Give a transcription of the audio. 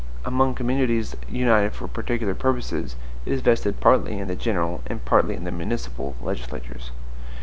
Among communities united for particular purposes, it is vested partly in the general and partly in the municipal legislatures.